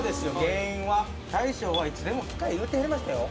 原因は大将はいつでも来たい言うてはりましたよ